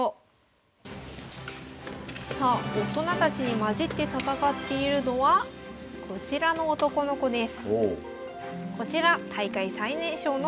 さあ大人たちに交じって戦っているのはこちらの男の子です。